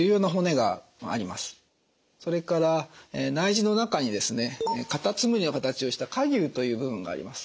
それから内耳の中にかたつむりの形をした蝸牛という部分があります。